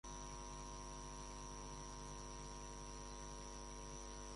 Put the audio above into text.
Sus diseños y escritos fueron hechos sobre todo en su hogar.